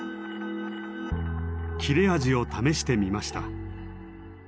切れ味を試してみました。